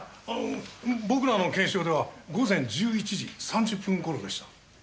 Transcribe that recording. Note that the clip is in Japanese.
あの僕らの検証では午前１１時３０分頃でした。